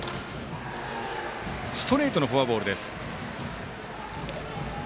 ストレートのフォアボールです。